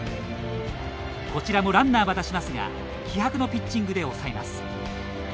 こちらもランナーは出しますが気迫のピッチングで抑えます。